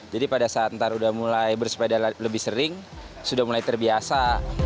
jadi pada saat ntar udah mulai bersepeda lebih sering sudah mulai terbiasa